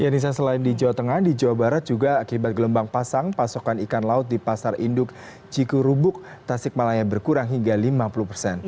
ya nisa selain di jawa tengah di jawa barat juga akibat gelombang pasang pasokan ikan laut di pasar induk cikurubuk tasik malaya berkurang hingga lima puluh persen